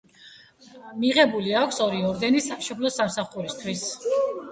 მიღბული აქვს ორი ორდენი „სამშობლოს სამსახურისათვის“.